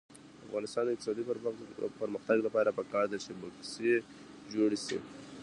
د افغانستان د اقتصادي پرمختګ لپاره پکار ده چې بکسې جوړې شي.